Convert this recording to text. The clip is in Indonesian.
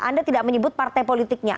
anda tidak menyebut partai politiknya